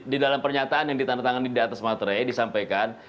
di dalam pernyataan ditandatangani diatas materai disampaikan